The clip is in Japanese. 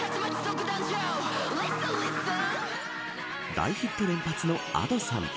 大ヒットを連発のＡｄｏさん。